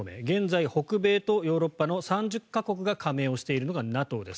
現在、北米とヨーロッパの３０か国が加盟しているのがＮＡＴＯです。